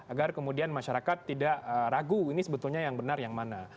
agar kemudian masyarakat tidak ragu ini sebetulnya yang benar yang mana